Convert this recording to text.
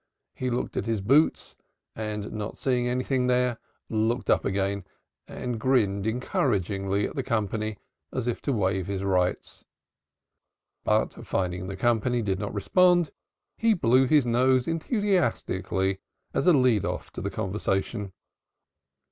He looked at his boots and not seeing anything there, looked up again and grinned encouragingly at the company as if to waive his rights. But finding the company did not respond, he blew his nose enthusiastically as a lead off to the conversation.